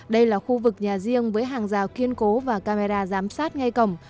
đây là khu vực nhà riêng với hàng rào kiên cố và camera giám sát ngay cổng